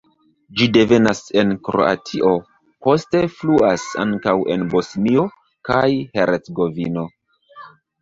Ĝi devenas en Kroatio, poste fluas ankaŭ en Bosnio kaj Hercegovino.